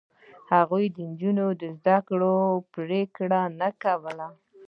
هغوی د نجونو د زده کړو پرېکړه نه کوله.